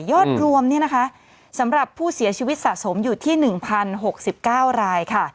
ยอดรวมสำหรับผู้เสียชีวิตสะสมอยู่ที่๑๐๖๙รายค่ะ